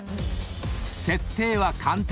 ［設定は簡単］